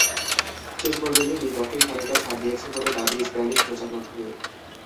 শেষ পর্যন্ত দুই পক্ষই খানিকটা ছাড় দিয়েছে বলে দাবি স্প্যানিশ প্রচারমাধ্যমের।